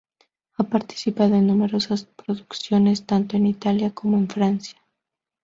Ha participado en numerosas producciones tanto en Italia como en Francia.